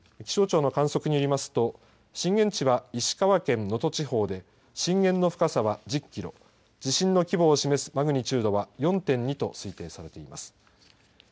気象庁の観測によりますと震源地は石川県能登地方で震源の深さは１０キロ地震の規模を示すマグニチュードは４．２と推定されています。